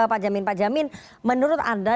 pak jamin menurut anda